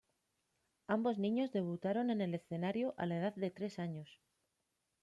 Ambos niños debutaron en el escenario a la edad de tres años.